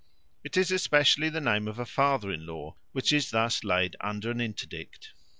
It is especially the name of a father in law which is thus laid under an interdict.